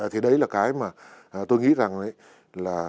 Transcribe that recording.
thì đấy là cái mà tôi nghĩ rằng là